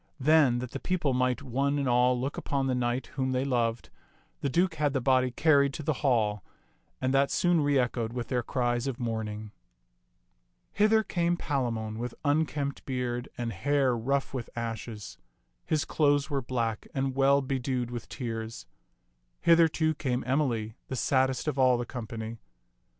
Then, that the people might one and all look upon the knight whom they loved, the Duke had the body carried to the hall, and that soon reechoed with their cries of mourning. Hither came Palamon with unkempt beard and hair rough with ashes. His clothes were black and well bedewed with tears. Hither, too, came Emily, the saddest of all the company.